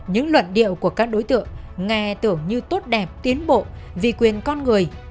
những luận điệu của các đối tượng nghe tưởng như tốt đẹp tiến bộ vì quyền con người